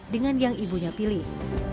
dengan yang ibunya pilih